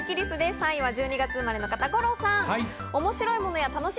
３位は１２月生まれの方、五郎さんです。